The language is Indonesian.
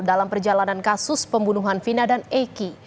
dalam perjalanan kasus pembunuhan vina dan eki